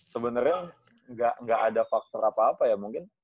sebenernya gak ada faktor apa apa ya mungkin